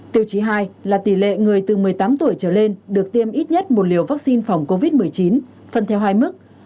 tiêu chí hai là tỷ lệ người từ một mươi tám tuổi trở lên được tiêm ít nhất một liều vaccine phòng covid một mươi chín phân theo hai mức